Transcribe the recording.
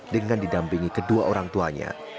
dengan didampingi kedua orang tuanya